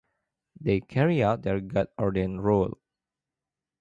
They carry out their God-ordained role.